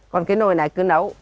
còn cái nồi này cứ nấu